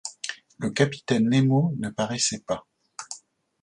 Le capitaine Nemo ne paraissait pas.